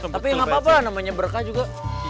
tapi gapapa namanya berkah juga